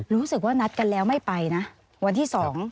รู้สึกว่านัดกันแล้วไม่ไปนะวันที่๒